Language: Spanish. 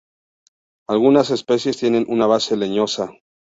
Algunas especies tienen una base leñosa.